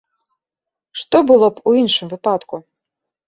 Што было б у іншым выпадку?